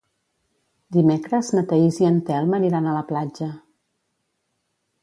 Dimecres na Thaís i en Telm aniran a la platja.